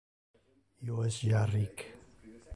Io es ja ric.